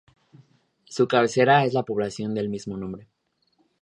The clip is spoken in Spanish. Su cabecera es la población de mismo nombre.